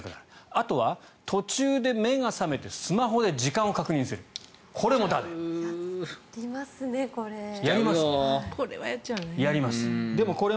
あとは、途中で目が覚めてスマホで時間を確認するやりますね、これ。